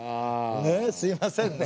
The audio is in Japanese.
ねえすいませんね。